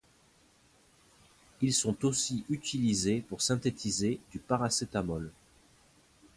Ils sont aussi utilisés pour synthétiser du paracétamol.